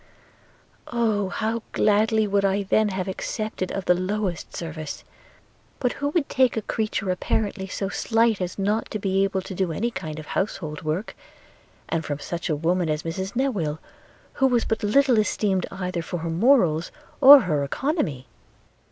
Oh! how gladly would I then have accepted of the lowest service! But who would take a creature apparently so slight as not to be able to do any kind of household work; and from such a woman as Mrs Newill, who was but little esteemed either for her morals or her economy?